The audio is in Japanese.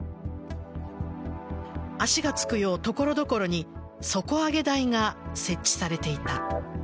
足がつくよう所々に底上げ台が設置されていた。